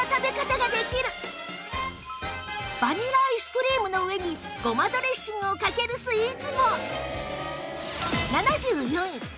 バニラアイスクリームの上にごまドレッシングをかけるスイーツも